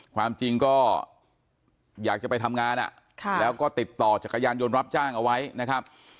ความจริงก็อยากจะไปทำงานแล้วก็ติดต่อจักรยานยนต์รับจ้างเอาไว้นะครับ